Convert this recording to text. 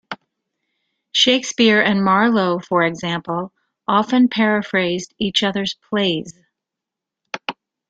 Shakespeare and Marlowe, for example often paraphrased each another's plays.